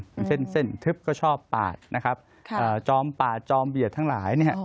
อย่างเช่นเส้นทึบก็ชอบปาดนะครับจอมปาดจอมเบียดทั้งหลายเนี่ย